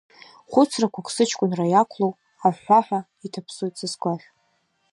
Хәыцрақәак сыҷкәынра иақәлоу, ахәхәаҳәа иҭаԥсоит са сгәашә.